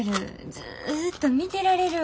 ずっと見てられるわ。